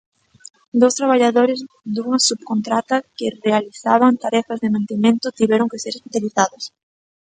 Dous traballadores dunha subcontrata que realizaban tarefas de mantemento tiveron que ser hospitalizados.